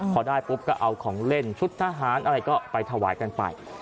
พอได้ปุ๊บก็เอาของเล่นชุดทหารอะไรก็ไปถวายกันไป